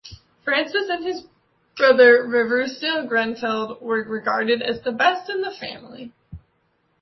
Francis and his brother, Riversdale Grenfell, were regarded as the best in the family.